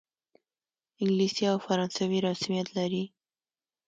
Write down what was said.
انګلیسي او فرانسوي رسمیت لري.